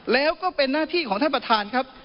แล้วก็เป็นหน้าที่ของท่านประธานครับ